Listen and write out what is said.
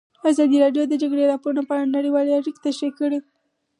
ازادي راډیو د د جګړې راپورونه په اړه نړیوالې اړیکې تشریح کړي.